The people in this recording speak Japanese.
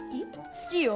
好きよ。